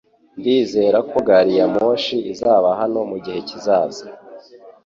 Ndizera ko gari ya moshi izaba hano mugihe kizaza